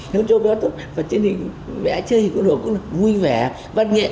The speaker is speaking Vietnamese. thế con trâu béo tốt và trên hình vẽ chơi hình con trâu cũng vui vẻ văn nghệ